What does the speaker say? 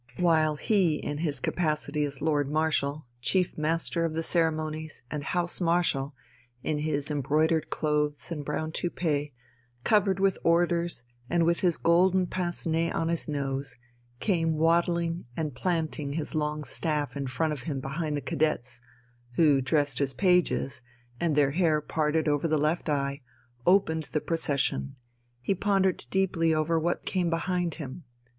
While he, in his capacity as Lord Marshal, Chief Master of the Ceremonies, and House Marshal, in his embroidered clothes and brown toupée, covered with orders and with his golden pince nez on his nose, came waddling and planting his long staff in front of him behind the cadets, who, dressed as pages, and their hair parted over the left eye, opened the procession, he pondered deeply over what came behind him.